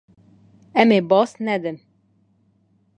Em ê baz nedin.